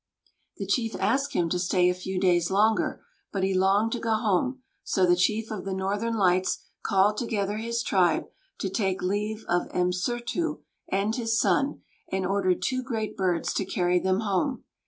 The chief asked him to stay a few days longer; but he longed to go home, so the Chief of the Northern Lights called together his tribe to take leave of M'Sūrtū and his son, and ordered two great birds to carry them home.